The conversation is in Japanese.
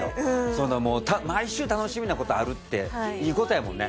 その毎週楽しみなことあるっていいことやもんね